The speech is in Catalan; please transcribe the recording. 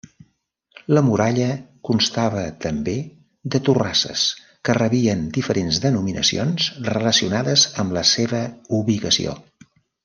La muralla constava també de torrasses que rebien diferents denominacions relacionades amb la seva ubicació.